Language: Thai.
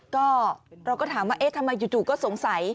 ก็เราก็ถามว่าเอ๊ะทำไมจู่ก็สงสัย